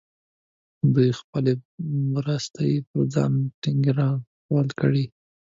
دوی خپلې برساتۍ پر ځان ټینګې را تاو کړې وې.